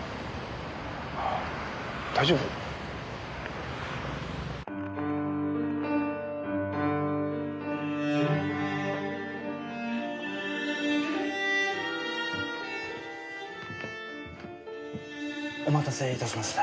大丈夫？お待たせいたしました。